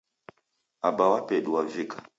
Aba wa pedu wavika